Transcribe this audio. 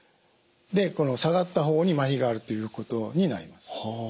で下がった方にまひがあるということになります。